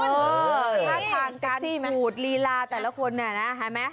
ส้มกี้ชิคกี้จริงไหมจริงกี่ผ้ากานขูดลีลาแต่ละคนเนี่ยใช่ไหม